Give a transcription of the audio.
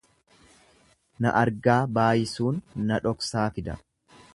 Na argaa baayisuun na dhoksaa fida.